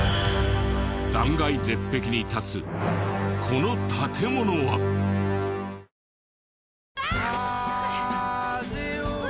断崖絶壁に立つこの建物は？やぁー！！